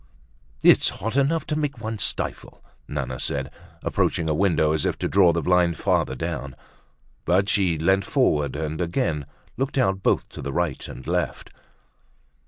"It's hot enough to make one stifle," Nana said, approaching a window as if to draw the blind farther down; but she leant forward and again looked out both to the right and left.